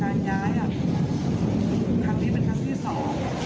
ย้ายอ่ะครั้งนี้เป็นครั้งที่สอง